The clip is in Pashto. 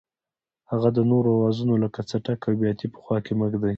هغه د نورو اوزارونو لکه څټک او بیاتي په خوا کې مه ږدئ.